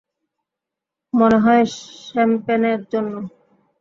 মনে হয় শ্যাম্পেনের জন্য।